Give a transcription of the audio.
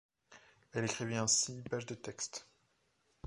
Elle écrivit ainsi pages de texte.